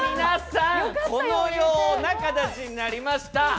このような形になりました。